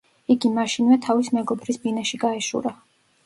იგი მაშინვე თავის მეგობრის ბინაში გაეშურა.